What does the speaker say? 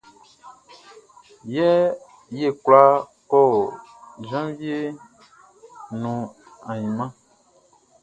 Ye kwla kɔ jenvie nuan ainman?